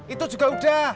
itu juga udah